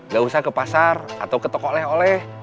gak usah ke pasar atau ke toko oleh oleh